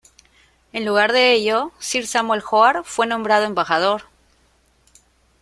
En lugar de ello, Sir Samuel Hoare fue nombrado embajador.